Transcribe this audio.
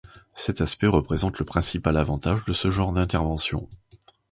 Cet aspect représente le principal avantage de ce genre d'intervention.